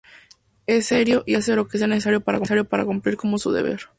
Es serio y hace lo que sea necesario para cumplir con su deber.